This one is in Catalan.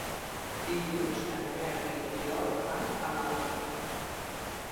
Dilluns en Nel i n'Oriol van a Iàtova.